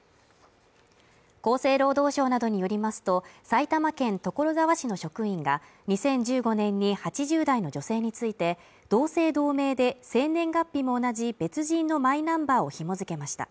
厚生労働省などによりますと、埼玉県所沢市の職員が２０１５年に８０代の女性について、同姓同名で生年月日も同じ別人のマイナンバーを紐付けました。